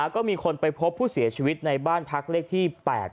ก็มีคนไปพบผู้เสียชีวิตในบ้านพักเลขที่๘๘